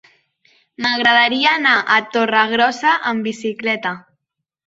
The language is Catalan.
M'agradaria anar a Torregrossa amb bicicleta.